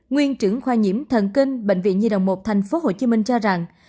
nguyên trưởng khoa nhiễm thần kinh bệnh viện nhi đồng một tp hcm cho rằng